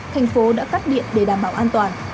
thành phố đã cắt điện để đảm bảo an toàn